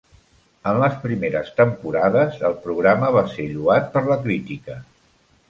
En les primeres temporades, el programa va ser lloat per la crítica.